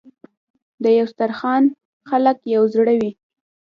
د یو دسترخان خلک یو زړه وي.